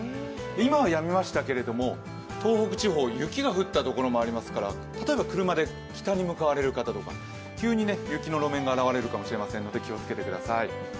今はやみましたけれども、東北地方雪が降った所もありあすから例えば車まで北に向かわれる方とか急に雪の路面が現れるかもしれませんので、お気をつけください。